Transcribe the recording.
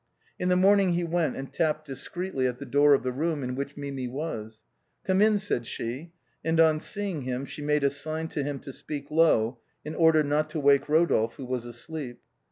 In the morning, he went and tapped discreetly at the door of the room in which Mimi was. " Come in," said she, and on seeing him, she made a sign to him to speak low in order not to wake Rodolphe who was asleep.